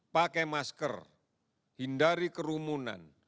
pakai masker hindari kerumunan